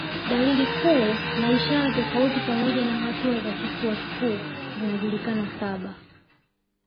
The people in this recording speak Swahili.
Dalili kuu na ishara tofauti pamoja na hatua za kifua kikuu zinajulikana saba